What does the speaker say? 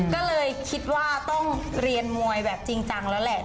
ก็เลยคิดว่าต้องเรียนมวยแบบจริงจังแล้วแหละ